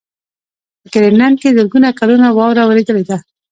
په ګرینلنډ کې زرګونه کلونه واوره ورېدلې ده.